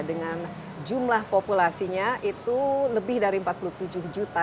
dengan jumlah populasinya itu lebih dari empat puluh tujuh juta